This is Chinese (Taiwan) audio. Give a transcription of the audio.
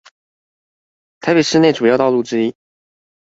台北市內主要道路之一